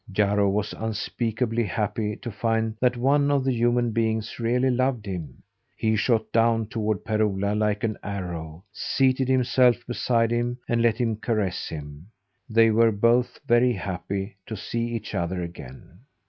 Jarro was unspeakably happy to find that one of the humans really loved him. He shot down toward Per Ola, like an arrow, seated himself beside him, and let him caress him. They were both very happy to see each other again.